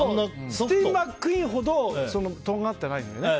スティーブ・マックイーンほどとんがってないのね。